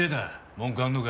文句あんのか？